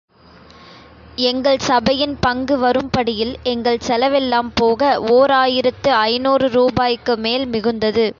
எங்கள் சபையின் பங்கு வரும்படியில், எங்கள் செலவெல்லாம் போக ஓர் ஆயிரத்து ஐநூறு ரூபாய்க்கு மேல் மிகுந்தது.